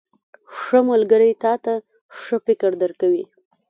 • ښه ملګری تا ته ښه فکر درکوي.